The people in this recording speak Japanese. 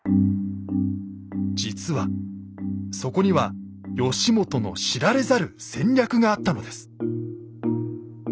実はそこには義元の知られざる戦略があったのです。